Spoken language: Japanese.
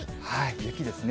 雪ですね。